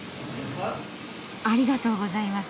ありがとうございます。